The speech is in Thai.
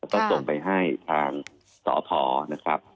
แล้วก็ส่งไปให้ทางสภนะครับ